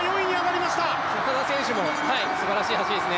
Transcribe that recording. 砂田選手もすばらしい走りですね。